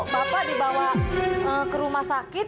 bapak dibawa ke rumah sakit